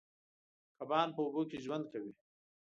کبان په اوبو کې ژوند کوي.